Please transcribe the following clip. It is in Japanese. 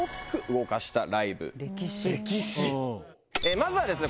まずはですね